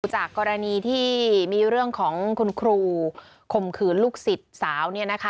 จากกรณีที่มีเรื่องของคุณครูคมขืนลูกสิบสาวเนี่ยนะคะ